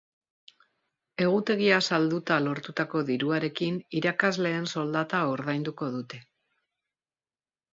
Egutegia salduta lortutako diruarekin irakasleen soldata ordainduko dute.